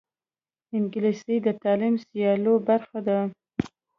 انګلیسي د تعلیمي سیالیو برخه ده